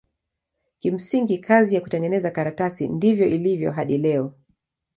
Kimsingi kazi ya kutengeneza karatasi ndivyo ilivyo hadi leo.